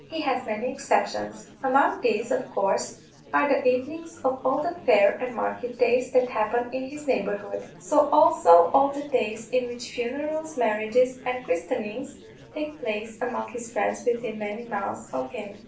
He has many exceptions; among these, of course, are the evenings of all the fair and market days that happen in his neighbourhood; so also all the days in which funerals, marriages, and christenings take place among his friends within many miles of him.